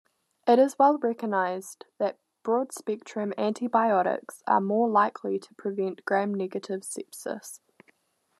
It is well recognized that broad-spectrum antibiotics are more likely to prevent gram-negative sepsis.